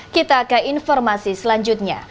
kita ke informasi selanjutnya